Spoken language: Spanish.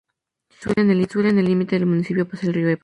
Por el sur, en el límite del municipio pasa el río Ebro.